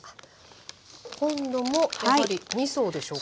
今度もやはり２層でしょうか。